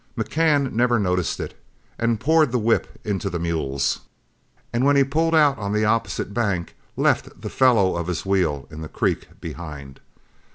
McCann never noticed it, but poured the whip into the mules, and when he pulled out on the opposite bank left the felloe of his wheel in the creek behind.